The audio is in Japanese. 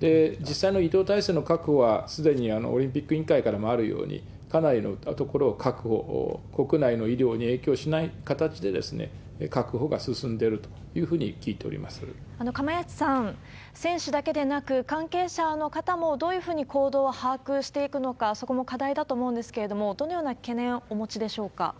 実際の医療体制の確保は、すでにオリンピック委員会からもあるように、かなりのところを確保、国内の医療に影響しない形で確保が進んでいるというふうに聞いて釜萢さん、選手だけでなく、関係者の方もどういうふうに行動を把握していくのか、そこも課題だと思うんですけれども、どのような懸念をお持ちでしょうか？